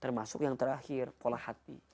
termasuk yang terakhir pola hati